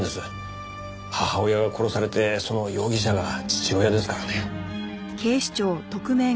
母親が殺されてその容疑者が父親ですからね。